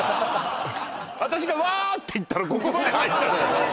私がわーっていったらここまで入ったのよ